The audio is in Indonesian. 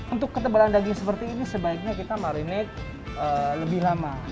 untuk ketebalan daging seperti ini sebaiknya kita merenate lebih lama